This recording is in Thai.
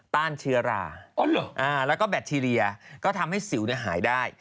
ต้านเชื้อราแล้วก็แบคทีเรียก็ทำให้สิวหายได้